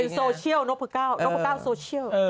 เป็นโซเชียลนกปะก้าวนกปะก้าวโซเชียล